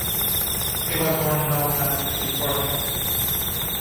He was born in Oakland, California.